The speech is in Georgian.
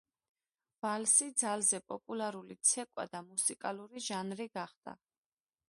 ვალსი ძალზე პოპულარული ცეკვა და მუსიკალური ჟანრი გახდა.